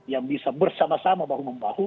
yang bisa bersama sama bahu membahu